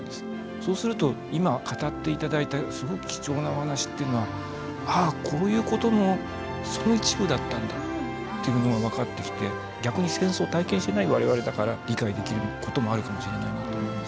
そうすると今語って頂いたすごく貴重なお話っていうのはあこういうことのその一部だったんだっていうのが分かってきて逆に戦争を体験していない我々だから理解できることもあるかもしれないなと思いますね。